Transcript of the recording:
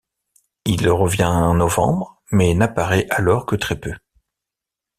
Il revient en novembre, mais n'apparaît alors que très peu.